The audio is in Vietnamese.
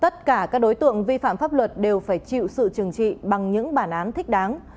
tất cả các đối tượng vi phạm pháp luật đều phải chịu sự trừng trị bằng những bản án thích đáng